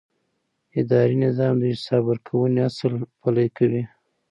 اداري نظام د حساب ورکونې اصل پلي کوي.